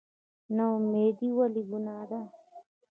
نااميدي ولې ګناه ده؟